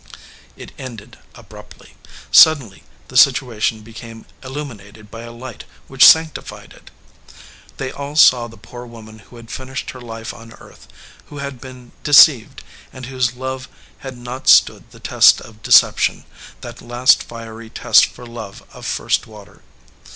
It ended abruptly. Suddenly the situation be came illuminated by a light which sanctified it. They all saw the poor woman who had finished her life on earth, who had been deceived, and whose love had not stood the test of deception, that last fiery test for love of first water.